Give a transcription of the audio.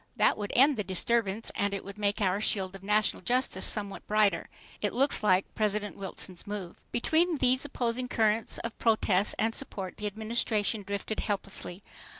That would end the disturbance and it would make our shield of national justice somewhat brighter. It looks like President Wilson's move. Between these opposing currents of protest and support, the Administration drifted helplessly.